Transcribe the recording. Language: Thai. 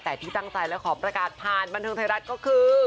แต่ที่ตั้งใจและขอประกาศผ่านบันเทิงไทยรัฐก็คือ